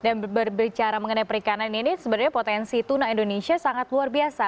dan berbicara mengenai perikanan ini sebenarnya potensi tuna indonesia sangat luar biasa